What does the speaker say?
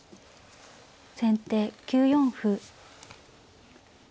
先手９四歩。